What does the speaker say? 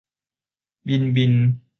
บินบิน